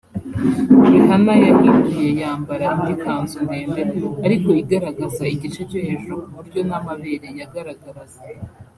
Rihanna yahinduye yambara indi kanzu ndende ariko igaragaza igice cyo hejuru ku buryo n’amabere yagaragaraga